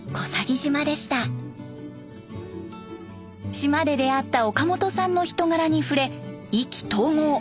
島で出会った岡本さんの人柄に触れ意気投合。